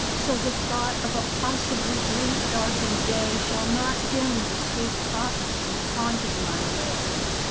So the thought of a possible grief darkened day Shall not dim the sweet prophecies haunting my way.